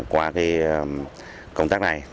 qua công tác này